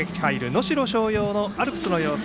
能代松陽のアルプスの様子